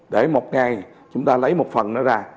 để một ngày chúng ta lấy một phần đó ra